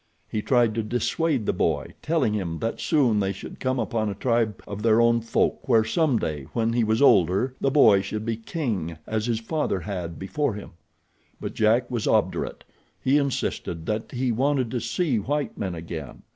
He tried to dissuade the boy, telling him that soon they should come upon a tribe of their own folk where some day when he was older the boy should be king as his father had before him. But Jack was obdurate. He insisted that he wanted to see white men again.